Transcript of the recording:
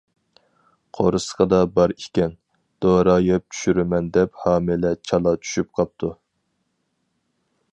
قورسىقىدا بار ئىكەن، دورا يەپ چۈشۈرىمەن دەپ ھامىلە چالا چۈشۈپ قاپتۇ.